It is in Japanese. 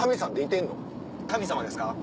神様ですか？